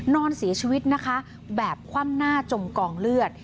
นอนเสียชีวิตนะคะแบบคว่ำหน้าจมกองเลือด